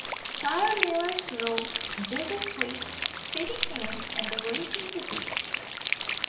Sara Miles wrote "Jesus Freak: Feeding Healing and Raising The Dead".